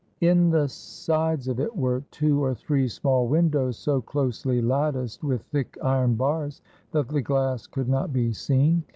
In the sides of it were two or three small windows, so closely latticed with thick iron bars that the glass could not be seen.